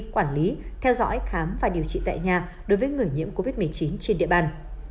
quản lý theo dõi khám và điều trị tại nhà đối với người nhiễm covid một mươi chín trên địa bàn